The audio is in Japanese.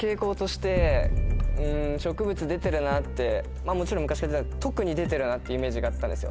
まぁもちろん昔から特に出てるなっていうイメージがあったんですよ。